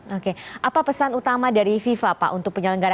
dan tetap tercatat enam stadion yang ada di jakarta bandung jawa tenggara